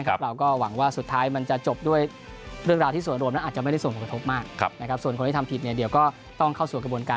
ของมาเลเซียใช่ไหมครับ